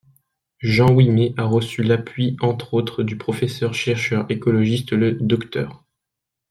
Jean Ouimet a reçu l'appui entre autres du professeur chercheur-écologiste le Dr.